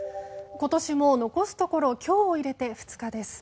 今年も残すところ今日を入れて２日です。